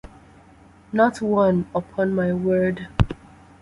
Not one, upon my word.